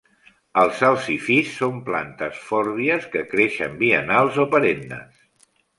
Els salsifís són plantes fòrbies que creixen biennals o perennes.